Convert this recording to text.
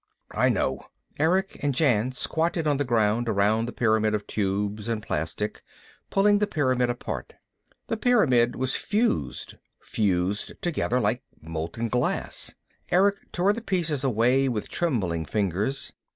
"I know." Erick and Jan squatted on the ground around the pyramid of tubes and plastic, pulling the pyramid apart. The pyramid was fused, fused together like molten glass. Erick tore the pieces away with trembling fingers.